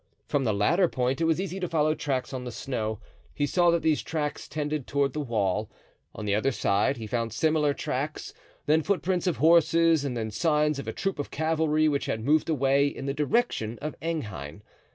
From the latter point it was easy to follow tracks on the snow. He saw that these tracks tended toward the wall; on the other side he found similar tracks, then footprints of horses and then signs of a troop of cavalry which had moved away in the direction of Enghien.